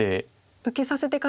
受けさせてから。